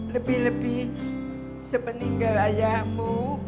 lebih lebih sepeninggal ayahmu